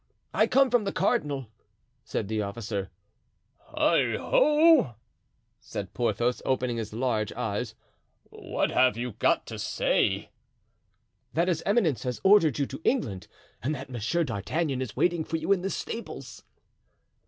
"I come from the cardinal," said the officer. "Heigho!" said Porthos, opening his large eyes; "what have you got to say?" "That his eminence has ordered you to England and that Monsieur d'Artagnan is waiting for you in the stables."